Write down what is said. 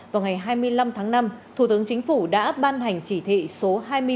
vào ngày hai mươi năm tháng năm thủ tướng chính phủ đã ban hành chỉ thị số hai mươi bốn